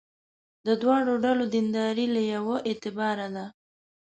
د دواړو ډلو دینداري له یوه اعتباره ده.